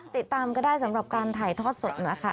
ติดตามก็ได้สำหรับการถ่ายทอดสดนะคะ